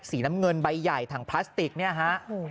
น้ำเงินใบใหญ่ถังพลาสติกเนี่ยฮะ